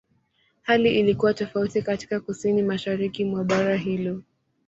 Hali ilikuwa tofauti katika Kusini-Mashariki mwa bara hilo.